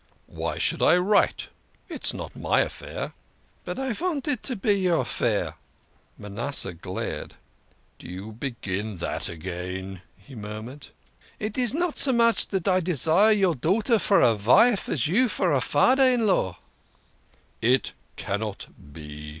" Why should I write ? It's not my affair." " But I vant it to be your affair." Manasseh glared. "Do you begin that again?" he mur mured. " It is not so much dat I desire your daughter for a vife as you for a fader in law." " It cannot be